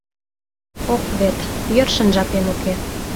— Ох вет, йӧршын жапем уке...